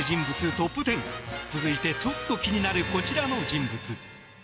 トップ１０続いてちょっと気になるこちらの人物。